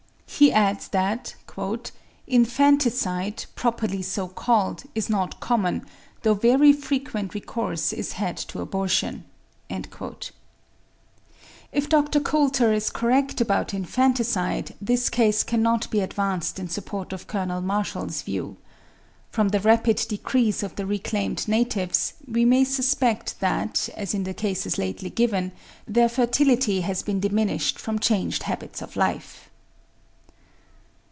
He adds that "infanticide, properly so called, is not common, though very frequent recourse is had to abortion." If Dr. Coulter is correct about infanticide, this case cannot be advanced in support of Colonel Marshall's view. From the rapid decrease of the reclaimed natives, we may suspect that, as in the cases lately given, their fertility has been diminished from changed habits of life.